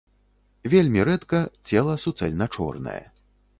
Вельмі рэдка цела суцэльна чорнае.